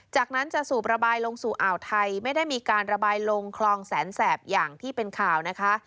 จากนั้นจะสูบระบายลงสู่อ่าวไทยไม่ได้มีการระบายลงคลองแสนแสบอย่างที่เป็นข่าวนะคะ